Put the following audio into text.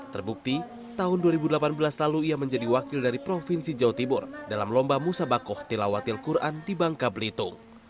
terbukti tahun dua ribu delapan belas lalu ia menjadi wakil dari provinsi jawa timur dalam lomba musabakoh tilawatil quran di bangka belitung